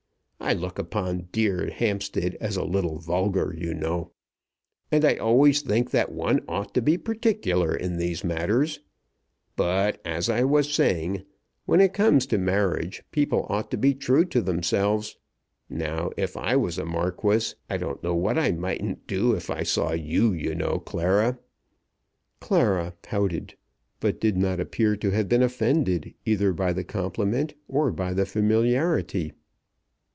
I look upon 'Dear Hampstead,' as a little vulgar, you know, and I always think that one ought to be particular in these matters. But, as I was saying, when it comes to marriage, people ought to be true to themselves. Now if I was a Marquis, I don't know what I mightn't do if I saw you, you know, Clara." "Clara" pouted, but did not appear to have been offended either by the compliment or by the familiarity.